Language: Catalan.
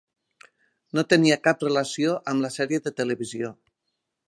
No tenia cap relació amb la sèrie de televisió.